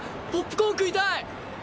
ポップコーン食いたい！